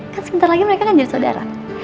kan sebentar lagi mereka kan jadi saudara